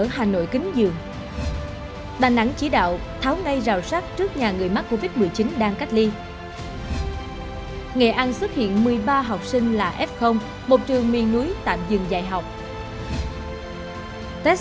hãy đăng ký kênh để ủng hộ kênh của chúng mình nhé